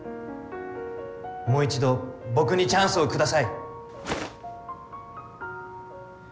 もう一度僕にチャンスを下さい。